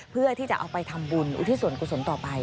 เพื่อที่จะเอาไปทำบุญอุทิศส่วนกุศลต่อไป